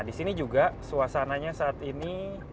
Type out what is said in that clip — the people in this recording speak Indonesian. di sini juga suasananya saat ini